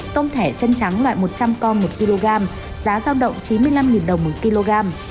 tôm thẻ chân trắng loại một trăm linh con một kg giá giao động chín mươi năm đồng một kg